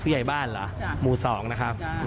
ผู้ใช้บ้านหรอหมู่สองครับ